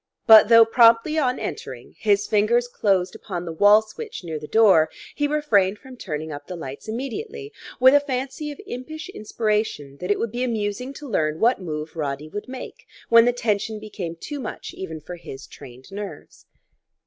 But though promptly on entering his fingers closed upon the wall switch near the door, he refrained from turning up the lights immediately, with a fancy of impish inspiration that it would be amusing to learn what move Roddy would make when the tension became too much even for his trained nerves.